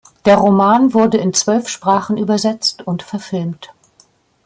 Der Roman wurde in zwölf Sprachen übersetzt und verfilmt.